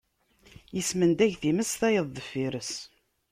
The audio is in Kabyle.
Ismendag times, tayeḍ deffir-s.